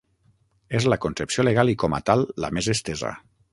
És la concepció legal i com a tal la més estesa.